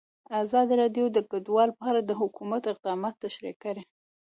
ازادي راډیو د کډوال په اړه د حکومت اقدامات تشریح کړي.